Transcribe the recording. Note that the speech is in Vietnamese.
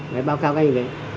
đấy báo cáo anh đấy